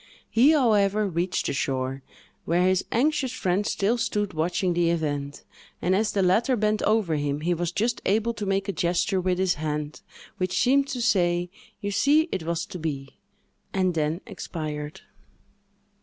He, however, reached the shore, where his anxious friend still stood watching the event; and, as the latter bent over him, he was just able to make a gesture with his hand, which seemed to say, "You see, it was to be!" and then expired.